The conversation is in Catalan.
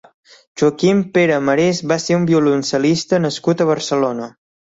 Joaquim Pere Marés va ser un violoncel·lista nascut a Barcelona.